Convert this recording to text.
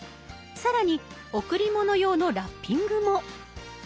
更に贈り物用のラッピングも。